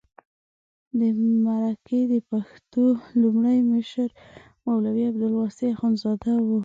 د مرکه د پښتو لومړی مشر مولوي عبدالواسع اخندزاده و.